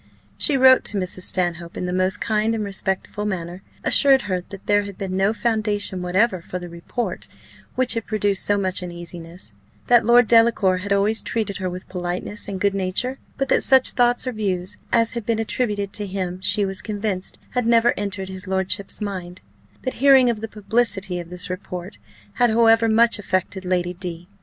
She wrote to Mrs. Stanhope in the most kind and respectful manner; assured her that there had been no foundation whatever for the report which had produced so much uneasiness; that Lord Delacour had always treated her with politeness and good nature, but that such thoughts or views as had been attributed to him, she was convinced had never entered his lordship's mind; that hearing of the publicity of this report had, however, much affected Lady D